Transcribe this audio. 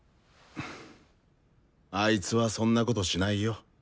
あいつはそんなことしないよ。